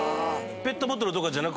ペットボトルとかじゃなく。